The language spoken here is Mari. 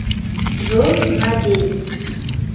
Джон Надей.